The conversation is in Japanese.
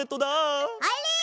あれ！？